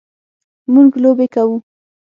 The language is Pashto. مونږ لوبې کوو